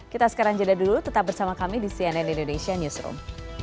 kita sekarang jeda dulu tetap bersama kami di cnn indonesia newsroom